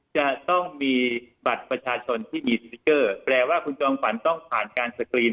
จะต้องมีบัตรประชาชนที่มีสติ๊กเกอร์แปลว่าคุณจอมขวัญต้องผ่านการสกรีน